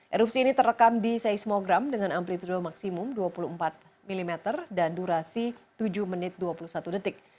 erupsi ini terekam di seismogram dengan amplitude maksimum dua puluh empat mm dan durasi tujuh menit dua puluh satu detik